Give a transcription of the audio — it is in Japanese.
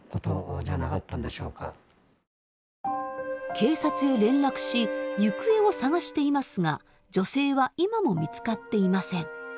警察へ連絡し行方を捜していますが女性は今も見つかっていません。